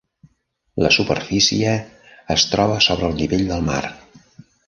La superfície es troba sobre el nivell del mar.